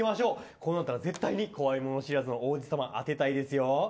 こうなったら、絶対に怖いもの知らずの王子様当てたいです。